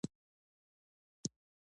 خو د دواړو تکامل د پیچلتیا سبب شو.